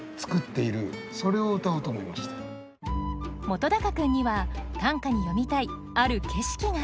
本君には短歌に詠みたいある景色が。